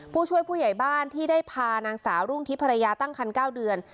ผู้ช่วยผู้ใหญ่บ้านที่ได้พานางสาวรุ่งทิพภรรยาตั้งคัน๙เดือน